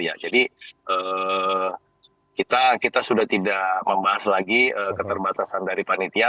jadi kita sudah tidak membahas lagi keterbatasan dari panitia